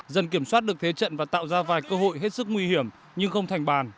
dần kiểm soát được thế trận và tạo ra vài cơ hội hết sức nguy hiểm nhưng không thành bàn